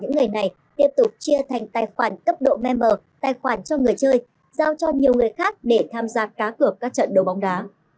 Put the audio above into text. những người này tiếp tục chia thành tài khoản cấp độ memer tài khoản cho người chơi giao cho nhiều người khác để tham gia cá cược các trận đấu bóng đá